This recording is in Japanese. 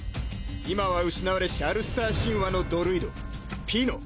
今は失われしアルスター神話のドルイドピノ。